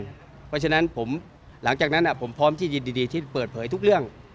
เพราะฉะนั้นหลังจากนั้นผมพร้อมที่ยินดีที่เปิดเผยทุกเรื่อง